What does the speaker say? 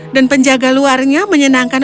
dan penjaga luarnya menyenangkan